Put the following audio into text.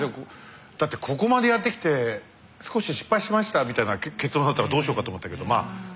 だってここまでやってきて少し失敗しましたみたいな結論だったらどうしようかと思ったけどまあ大成功。